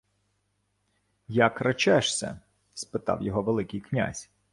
— Як речешся? — спитав його Великий князь.